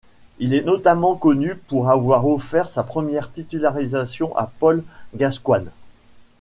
Il est notamment connu pour avoir offert sa première titularisation à Paul Gascoigne.